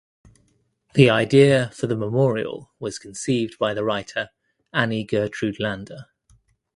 The idea for the memorial was conceived by the writer Annie Gertrude Landa.